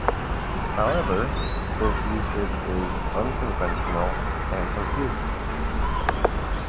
However, this usage is unconventional and confusing.